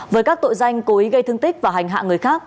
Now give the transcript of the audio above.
với các tội danh cố ý gây thương tích và hành hạ người khác